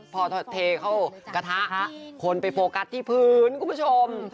พอเทเข้ากระทะคนไปโฟกัสที่พื้นคุณผู้ชม